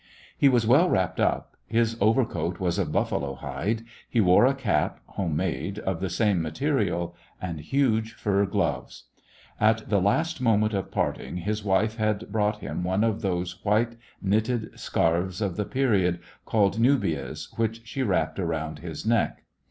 He was well wrapped up. His overcoat was of buffalo hide; he wore a cap, home made, of the same mate rial, and huge fur gloves. At the last moment of parting his wife had brought him one of those white, knitted scarfs of the period, called nubias, which she wrapped about his neck.